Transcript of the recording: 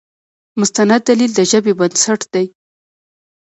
مستند دلیل د ژبې بنسټ دی.